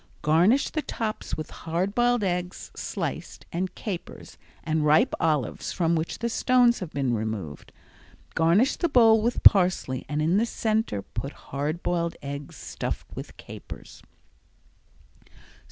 Garnish the tops with hard boiled eggs, sliced, and capers, and ripe olives from which the stones have been removed. Garnish the bowl with parsley and in the center put hard boiled eggs stuffed with capers.